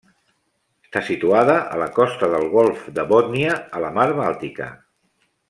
Està situada a la costa del golf de Bòtnia, a la mar Bàltica.